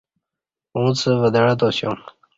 اُنڅ ودعہ تاسیوم